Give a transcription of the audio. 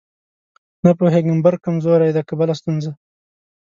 نه پوهېږم برق کمزورې دی که بله ستونزه.